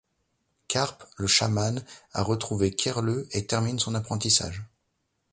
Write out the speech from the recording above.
Carp le chaman a retrouvé Kerleu et termine son apprentissage.